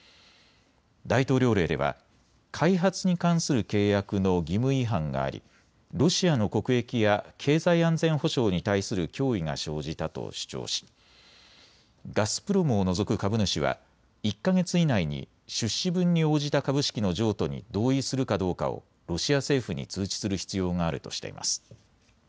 大統領令では開発に関する契約の義務違反がありロシアの国益や経済安全保障に対する脅威が生じたと主張しガスプロムを除く株主は１か月以内に出資分に応じた株式の譲渡に同意するかどうかをロシア政府に通知する必要があるとしています。